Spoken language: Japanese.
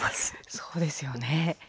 そうですよね。